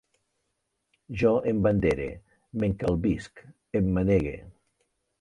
Jo embandere, m'encalbisc, emmanegue